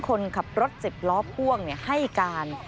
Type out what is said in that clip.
คนขับรถ๑๐ล้อพ่วงให้การ